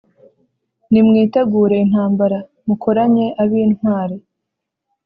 Nimwitegure intambara! Mukoranye ab’intwari!